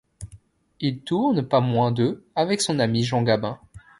Il tourne pas moins de avec son ami Jean Gabin.